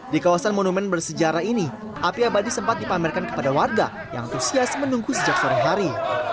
di kawasan monumen bersejarah ini api abadi sempat dipamerkan kepada warga yang antusias menunggu sejak sore hari